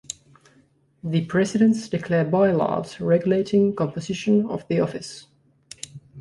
The presidents declare bylaws regulating composition of the office.